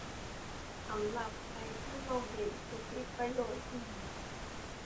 สำหรับใครที่มองเห็นสิทธิประโยชน์ดี